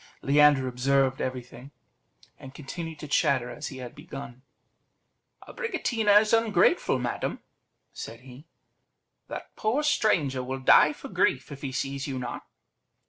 Leander observed everything, and continued to chatter as he had begun "Abricotina is ungrateful, madam," said he; "that poor stranger will die for grief if he sees you not."